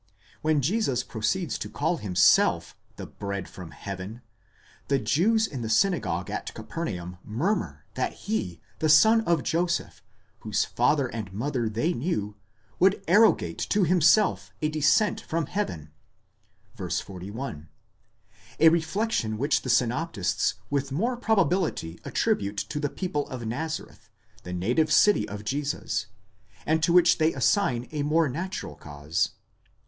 When Jesus proceeds to call himself the dread from heaven, the Jews in the synagogue at Capernaum murmur that he, the son of Joseph, whose father and mother they knew, should arrogate to himself a descent from heaven (v. 41); a reflection which the synoptists with more probability attribute to the people of Nazareth, the native city of Jesus, and to which they assign a more natural cause.